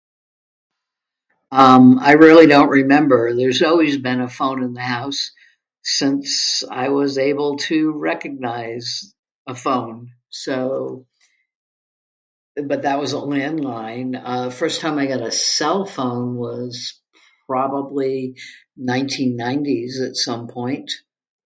Um, I really don't remember. There's always been a phone in the house since I was able to recognize a phone, so. But, that was a landline. Uh, first time I get a cellphone was probably nineteen nineties, at some point.